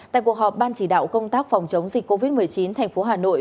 tại cuộc họp ban chỉ đạo công tác phòng chống dịch covid một mươi chín tp hà nội